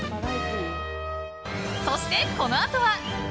そして、このあとは。